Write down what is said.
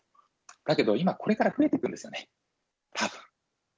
だけど今、これから増えてくるんですよね、たぶん。